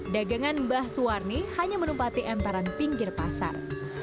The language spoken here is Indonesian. dagangan mbah suwarni hanya menumpati emparan pinggir pasar